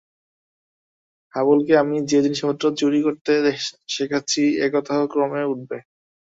হাবলুকে আমিই যে জিনিসপত্র চুরি করতে শেখাচ্ছি এ কথাও ক্রমে উঠবে।